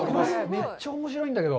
めっちゃおもしろいんだけど！